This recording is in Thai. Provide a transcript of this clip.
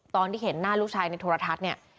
ตอนที่เห็นหน้าลูกชายในโทรทัศน์เนี่ย